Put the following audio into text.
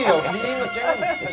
iya harus diinget ceng